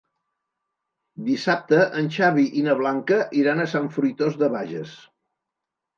Dissabte en Xavi i na Blanca iran a Sant Fruitós de Bages.